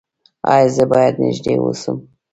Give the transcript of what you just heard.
ایا زه باید نږدې اوسم؟